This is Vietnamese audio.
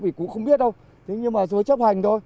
vì cũng không biết đâu thế nhưng mà chúa chấp hành thôi